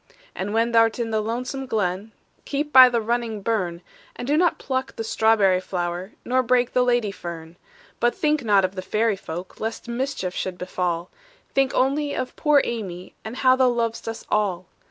"And when thou 'rt in the lonesome glen, Keep by the running burn, And do not pluck the strawberry flower, Nor break the lady fern. "But think not of the fairy folk, Lest mischief should befall; Think only of poor Amy, And how thou lov'st us all.